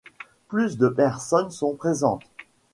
Plus de personnes sont présentes.